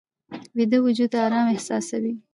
ویده وجود آرام احساسوي